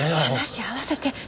話合わせて。